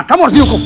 kamu harus dihukum